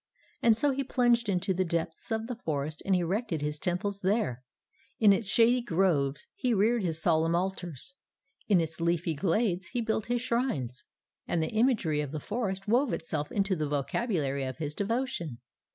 And so he plunged into the depths of the forest and erected his temples there; in its shady groves he reared his solemn altars; in its leafy glades he built his shrines; and the imagery of the forest wove itself into the vocabulary of his devotion.